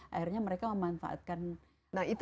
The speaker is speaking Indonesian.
akhirnya mereka memanfaatkan nah itu